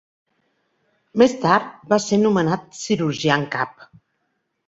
Més tard va ser nomenat cirurgià en cap.